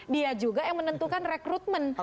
dia juga yang menentukan rekrutmen